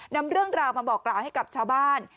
นำเรื่องราวมาบอกกล่าวให้กับชาวบ้าน